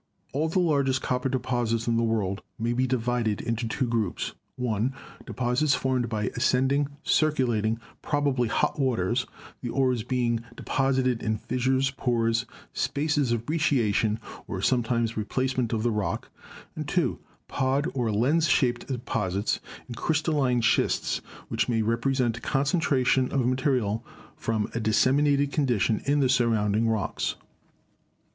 All the largest copper deposits in the world may be divided into two groups: (i) Deposits formed by ascending, circulating, probably hot waters, the ores being deposited in fissures, pores, spaces of brecciation, or some times replacement of the rock; (2) pod or lens shaped deposits in crystalline schists, which may represent con centration of material from a disseminated condition in the surrounding rocks.